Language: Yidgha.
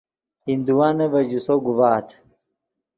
ہندوانے ڤے جوسو گوڤآت